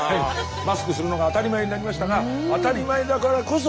マスクするのが当たり前になりましたが当たり前だからこそ